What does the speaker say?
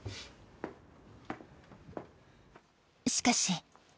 しかし。